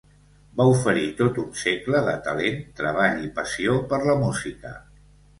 Va oferir tot un segle de talent, treball i passió per la música.